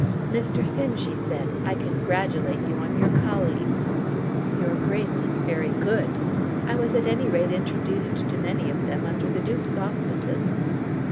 "Mr. Finn," she said, "I congratulate you on your colleagues." "Your Grace is very good. I was at any rate introduced to many of them under the Duke's auspices."